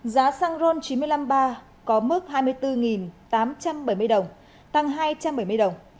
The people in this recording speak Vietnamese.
giá xăng ron chín mươi năm iii có mức hai mươi bốn tám trăm bảy mươi đồng tăng hai trăm bảy mươi đồng